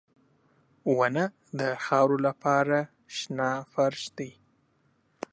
• ونه د خاورو لپاره شنه فرش دی.